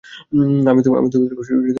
আমি তাদেরকে ঠিকমতো দেখিও নি।